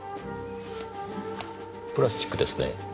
プラスチックですねぇ。